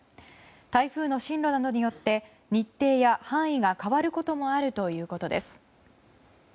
台風の進路などによって日程や範囲が変わることもあるということです。